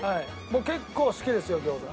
僕結構好きですよ餃子。